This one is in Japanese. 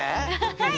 はい！